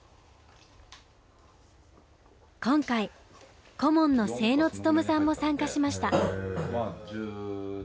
今回顧問の清野勉さんも参加しました。